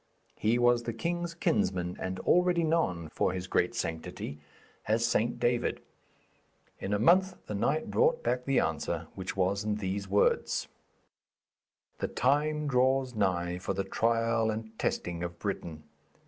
He was the king's kinsman, and already known for his great sanctity as St. David. In a month the knight brought back the answer, which was in these words: 'The time draws nigh for the trial and testing of Britain.